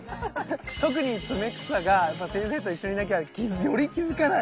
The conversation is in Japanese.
特にツメクサがやっぱ先生と一緒にいなきゃより気付かない。